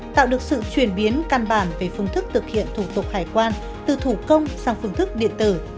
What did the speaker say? tạo được sự chuyển biến căn bản về phương thức thực hiện thủ tục hải quan từ thủ công sang phương thức điện tử